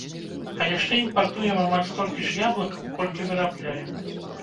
А яшчэ імпартуем амаль столькі ж яблыкаў, колькі вырабляем.